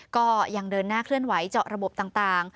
ก็ยังเดินหน้าเคลื่อนไหวเจาะระบบต่าง